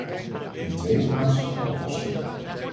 In de tweede plaats, de kosten.